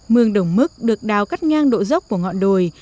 mương đồng mức được đào cắt ngang độ dốc của ngọn đồi